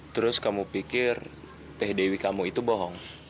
terus kamu pikir teh dewi kamu itu bohong